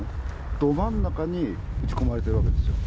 ど真ん中に撃ち込まれてるわけですよ。